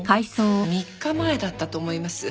３日前だったと思います。